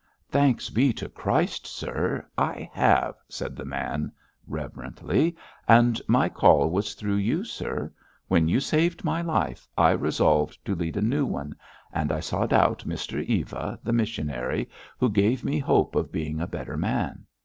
'Thanks be to Christ, sir, I have,' said the man, reverently, 'and my call was through you, sir. When you saved my life I resolved to lead a new one, and I sought out Mr Eva, the missionary, who gave me hope of being a better man.